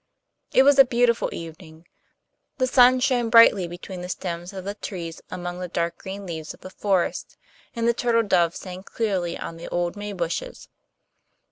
It was a beautiful evening; the sun shone brightly between the stems of the trees among the dark green leaves of the forest, and the turtle dove sang clearly on the old maybushes.